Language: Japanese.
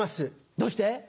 どうして？